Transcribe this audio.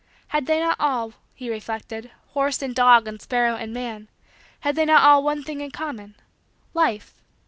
Had they not all, he reflected, horse and dog and sparrow and man had they not all one thing in common Life?